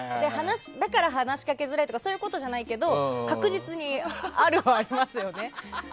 だから話しかけづらいとかそういうことじゃないけど確実にあるのはありますよね。